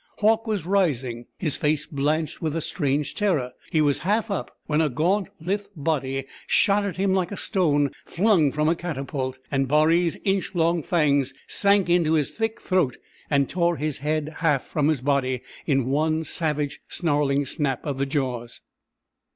Hauck was rising, his face blanched with a strange terror. He was half up when a gaunt, lithe body shot at him like a stone flung from a catapult and Baree's inch long fangs sank into his thick throat and tore his head half from his body in one savage, snarling snap of the jaws.